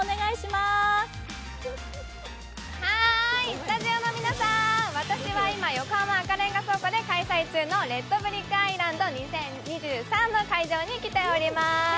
スタジオの皆さん、私は今、横浜赤レンガ倉庫で開催中のＲｅｄＢｒｉｃｋＩｓｌａｎｄ２０２３の会場に来ております。